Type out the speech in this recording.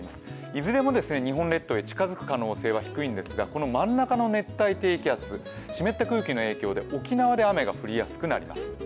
いずれも日本列島に近づく可能性は低いんですがこの真ん中の熱帯低気圧湿った空気の影響で沖縄で雨が降りやすくなります。